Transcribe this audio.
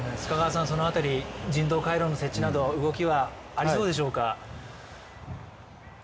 その辺り、人道回廊の設置など動きはありそうでしょうか？